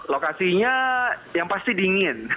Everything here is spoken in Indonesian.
lokasinya yang pasti dingin